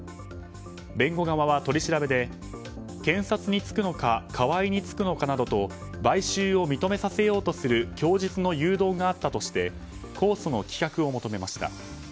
弁護側は、取り調べで検察につくのか河井につくのかなどと買収を認めさせようとする供述の誘導があったとして公訴の棄却を求めました。